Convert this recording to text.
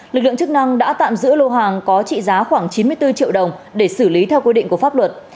lực lượng chức năng đã tạm giữ lô hàng có trị giá khoảng chín mươi bốn triệu đồng để xử lý theo quy định của pháp luật